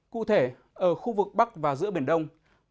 cụ thể ở khu vực bắc và giữa biển đông